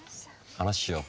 話しよう。